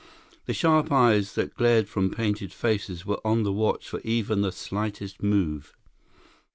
The sharp eyes that glared from painted faces were on the watch for even the slightest move.